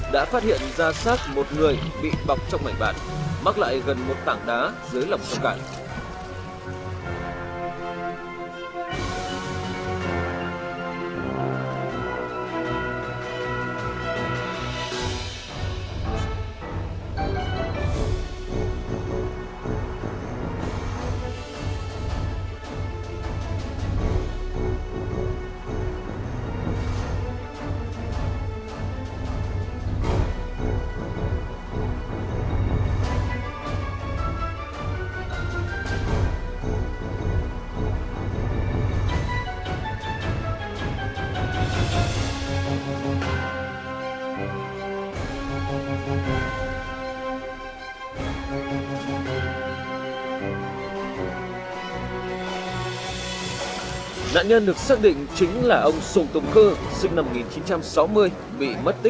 đã phát hiện ra sát một người bị bọc trong mảnh bản mắc lại gần một tảng đá dưới lòng sông cải